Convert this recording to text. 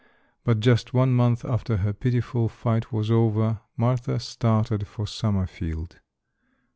But just one month after her pitiful fight was over, Martha started for Summerfield.